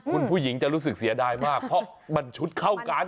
คุณผู้หญิงจะรู้สึกเสียดายมากเพราะมันชุดเข้ากัน